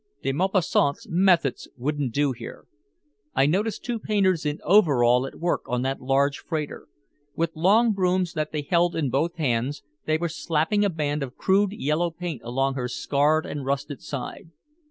De Maupassant's methods wouldn't do here. I noticed two painters in overalls at work on that large freighter. With long brooms that they held in both hands they were slapping a band of crude yellow paint along her scarred and rusted side.